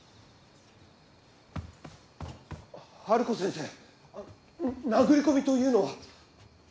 ハルコ先生殴り込みというのは？